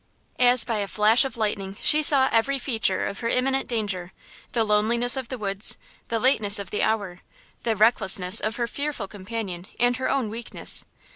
As by a flash of lightning she saw every feature of her imminent danger–the loneliness of the woods, the lateness of the hour, the recklessness of her fearful companion and her own weakness.